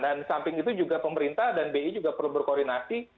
dan samping itu juga pemerintah dan bi juga perlu berkoordinasi